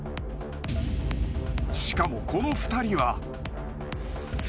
［しかもこの２人は］